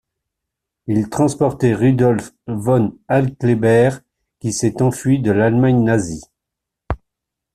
Il transportait Rudolph von Hacklheber, qui s'est enfui de l'Allemagne nazie.